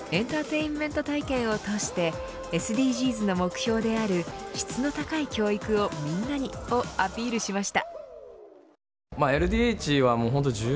エンターテインメント体験を通してＳＤＧｓの目標である質の高い教育をみんなに、をアピールしました。